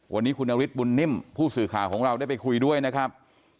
วันนี้คุณนฤทธบุญนิ่มผู้สื่อข่าวของเราได้ไปคุยด้วยนะครับ